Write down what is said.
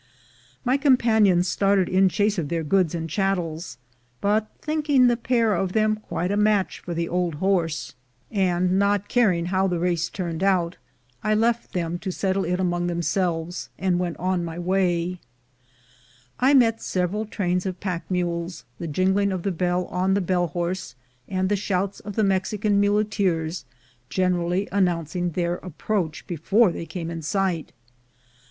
My companions started in chase of their goods and chattels ; but thinking the pair of them quite a match for the old horse, and not caring 210 THE GOLD HUNTERS how the race turned out, I left them to settle it among themselves, and went on my way, I met several trains of pack mules, the jingling of the bell on the bell horse, and the shouts of the Mexican muleteers, generally announcing their ap proach before they came in sight.